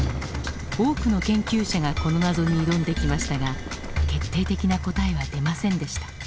多くの研究者がこの謎に挑んできましたが決定的な答えは出ませんでした。